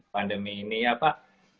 pandemi ini ya pak